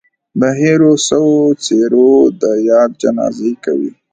د هېرو سوو څهرو د ياد جنازې کوي